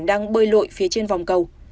đang bơi lội phía trên vòng cầu